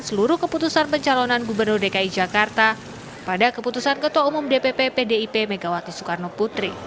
seluruh keputusan pencalonan gubernur dki jakarta pada keputusan ketua umum dpp pdip megawati soekarno putri